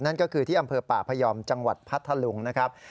นั่นก็คือที่อำเภอป่าพยอมจังหวัดพัทธลุงนะครับ